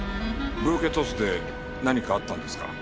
ブーケトスで何かあったんですか？